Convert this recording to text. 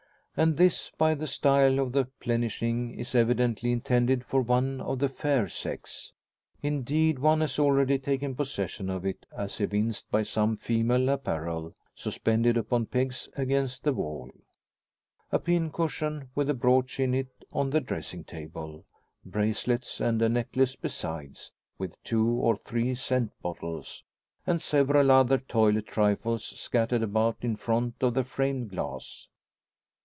And this, by the style of the plenishing, is evidently intended for one of the fair sex. Indeed, one has already taken possession of it, as evinced by some female apparel, suspended upon pegs against the wall; a pincushion, with a brooch in it, on the dressing table; bracelets and a necklace besides, with two or three scent bottles, and several other toilet trifles scattered about in front of the framed glass.